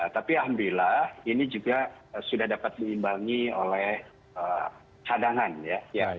tapi alhamdulillah ini juga sudah dapat diimbangi oleh cadangan ya